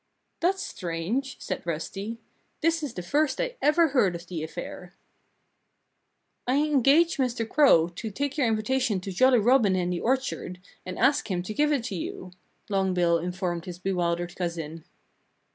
"That's strange!" said Rusty. "This is the first I ever heard of the affair." "I engaged Mr. Crow to take your invitation to Jolly Robin in the orchard and ask him to give it to you," Long Bill informed his bewildered cousin.